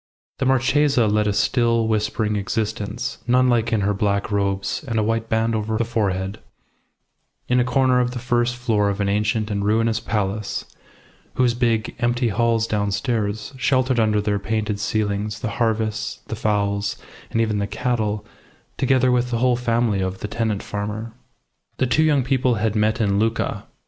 The Marchesa led a still, whispering existence, nun like in her black robes and a white band over the forehead, in a corner of the first floor of an ancient and ruinous palace, whose big, empty halls downstairs sheltered under their painted ceilings the harvests, the fowls, and even the cattle, together with the whole family of the tenant farmer. The two young people had met in Lucca.